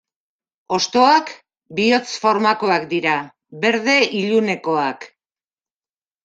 Hostoak bihotz formakoak dira, berde ilunekoak.